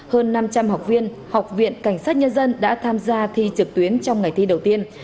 hơn năm trăm linh học viên học viện cảnh sát nhân dân đã tham gia thi trực tuyến trong ngày thi đầu tiên